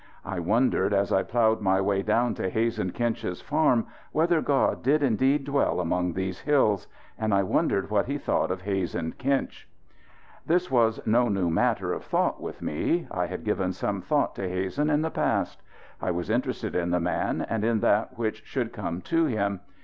I wondered as I ploughed my way down to Hazen Kinch's farm whether God did indeed dwell among these hills; and I wondered what He thought of Hazen Kinch. This was no new matter of thought with me. I had given some thought to Hazen in the past. I was interested in the man and in that which should come to him.